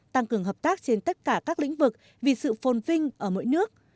tăng cường hợp tác trên tất cả các lĩnh vực vì sự phôn vinh ở mỗi nước